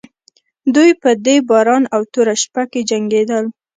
دوی په دې باران او توره شپه کې جنګېدل.